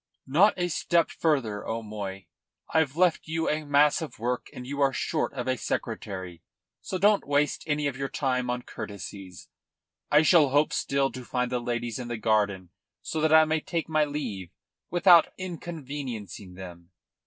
"Not a step farther, O'Moy. I've left you a mass of work, and you are short of a secretary. So don't waste any of your time on courtesies. I shall hope still to find the ladies in the garden so that I may take my leave without inconveniencing them."